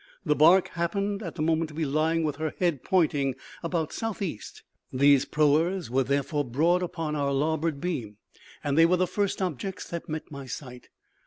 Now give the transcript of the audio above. The barque happened at the moment to be lying with her head pointing about south east; these proas were therefore broad upon our larboard beam, and they were the first objects that met my sight.